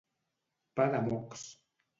Pa de mocs.